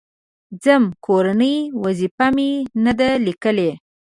_ځم، کورنۍ وظيفه مې نه ده ليکلې.